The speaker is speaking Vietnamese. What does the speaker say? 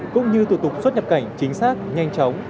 cũng như thủ tục xuất nhập cảnh chính xác nhanh chóng